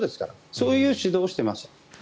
そういう指導をしています。